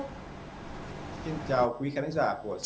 chỉ ít tiếng đồng hồ sau khi xảy ra vụ việc